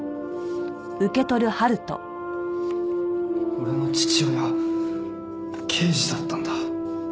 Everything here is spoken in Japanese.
俺の父親刑事だったんだ。